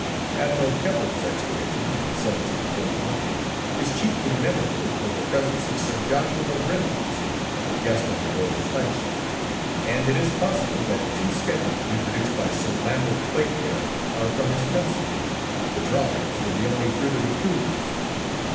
Admiral Keppel's expedition in 1749 is chiefly memorable for the presence of Sir Joshua Reynolds as a guest on board the flagship; and it is possible that two sketches reproduced by Sir Lambert Playfair are from his pencil: the drawings were the only fruit of the cruise.